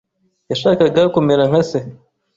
yashakaga kumera nka se.